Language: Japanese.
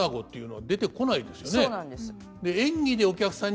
はい。